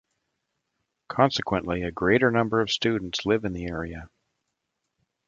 Consequently a great number of students live in the area.